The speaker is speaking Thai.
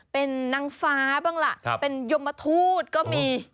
เป็นนางฟ้าบ้างล่ะเป็นยมทูตก็มี